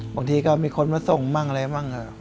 บางทีก็มีคนมาส่งบ้างอะไรบ้าง